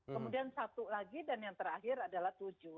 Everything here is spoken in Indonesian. kemudian satu lagi dan yang terakhir adalah tujuh